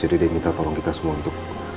jadi dia minta tolong kita semua untuk